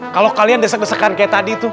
kalau kalian desek desekan kayak tadi tuh